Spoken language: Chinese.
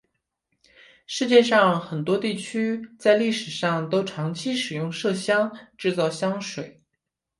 世界上很多地区在历史上都长期使用麝香制造香水。